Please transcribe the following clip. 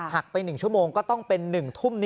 ไป๑ชั่วโมงก็ต้องเป็น๑ทุ่ม